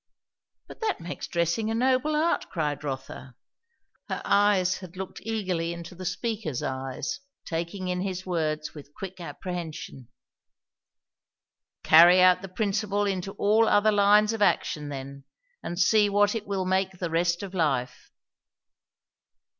"But that makes dressing a noble art!" cried Rotha. Her eyes had looked eagerly into the speaker's eyes, taking in his words with quick apprehension. "Carry out the principle into all other lines of action, then; and see what it will make the rest of life."